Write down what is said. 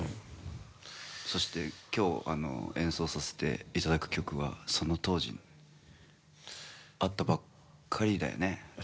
そして今日演奏させていただく曲がその当時、会ったばっかりだよね？